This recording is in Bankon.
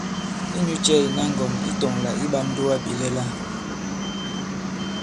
Inyu cɛ ìna ŋgɔ̀n ǐ tɔ̄ŋ lā ǐ ɓā ǹdugabìlɛla ?